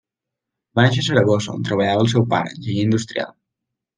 Va néixer a Saragossa on treballava el seu pare, enginyer industrial.